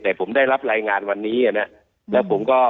แต่ผมได้รับรายงานวันนี้นะแล้วผมก็